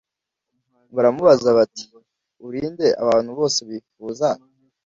baramubaza bati uri nde abantu bose bifuza